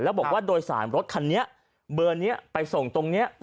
แล้วบอกว่าโดยสารรถคันนี้เบอร์นี้ไปส่งตรงนี้